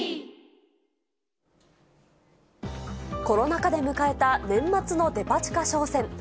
コロナ禍で迎えた年末のデパ地下商戦。